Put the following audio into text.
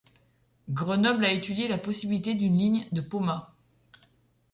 Grenoble a étudié la possibilité d'une ligne de Poma.